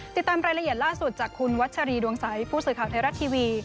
ติดตามรายละเอียดล่าสุดจากคุณวัชรีดวงใสผู้สื่อข่าวไทยรัฐทีวี